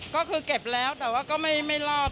ก็คือเก็บแล้วแต่ว่าก็ไม่รอบ